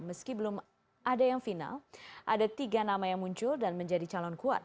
meski belum ada yang final ada tiga nama yang muncul dan menjadi calon kuat